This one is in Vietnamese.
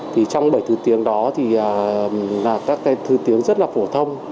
trong bảy thứ tiếng đó là các thứ tiếng rất là phổ thông